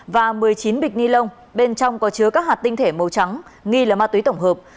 và một mươi chín bịch ni lông bên trong có chứa các hạt tinh thể màu trắng nghi là ma túy tổng hợp